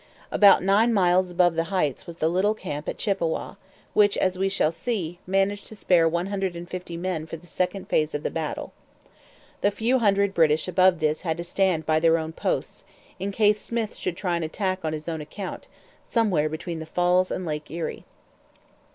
About nine miles above the Heights was the little camp at Chippawa, which, as we shall see, managed to spare 150 men for the second phase of the battle. The few hundred British above this had to stand by their own posts, in case Smyth should try an attack on his own account, somewhere between the Falls and Lake Erie.